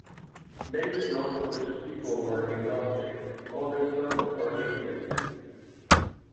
Many nonreligious people are agnostic, although some are atheists